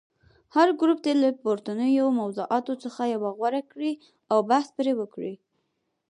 هر ګروپ دې له پورتنیو موضوعاتو څخه یوه غوره کړي او بحث پرې وکړي.